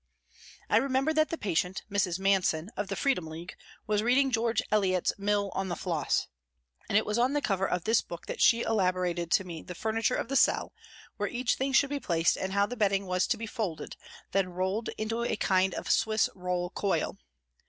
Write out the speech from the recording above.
I remember that the patient, Mrs. Manson, of the Freedom League, was reading George Elliot's " Mill on the Floss," and it was on the cover of this book that she elaborated to me the furniture of the cell, where each thing should be placed and how the bedding was to be folded, then rolled into a kind of Swiss roll coil.